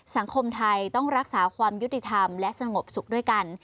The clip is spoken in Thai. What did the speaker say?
สังคมไทยต้องรักษาความยุติธรรมและสงบสุขด้วยกัน